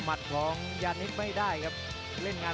ประโยชน์ทอตอร์จานแสนชัยกับยานิลลาลีนี่ครับ